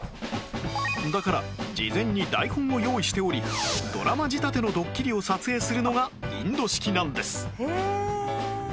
だから事前に台本を用意しておりドラマ仕立てのどっきりを撮影するのがインド式なんです